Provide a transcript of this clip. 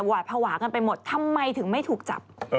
หวาดภาวะกันไปหมดทำไมถึงไม่ถูกจับ